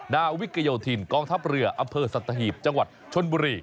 นาวิกเกยทินกองทัพเรืออัพเพิร์ตสัตถีบจังหวัดชนบุรี